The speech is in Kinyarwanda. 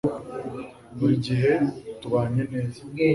buri gihe tubanye neza